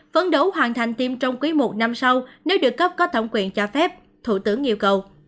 phấn đấu hoàn thành tiêm trong quý một năm sau nếu được cấp có thẩm quyền cho phép thủ tướng yêu cầu